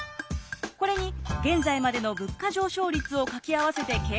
これに現在までの物価上昇率を掛け合わせて計算すると。